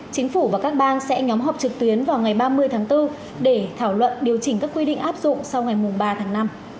chính phủ và các bang sẽ nhóm họp trực tuyến vào ngày ba mươi tháng bốn để thảo luận điều chỉnh các quy định áp dụng sau ngày ba tháng năm